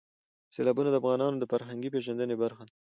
سیلابونه د افغانانو د فرهنګي پیژندنې برخه ده.